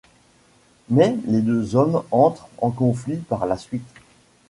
Mais les deux hommes entrent en conflit par la suite.